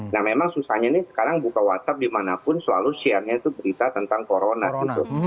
nah memang susahnya nih sekarang buka whatsapp dimanapun selalu share nya itu berita tentang corona gitu